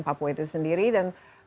papua itu sendiri dan